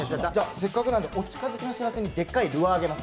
せっかくなんで、お近づきの印にでっかいルアーあげます。